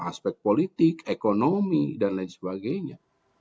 aspek politik ekonomi dan lain sebagainya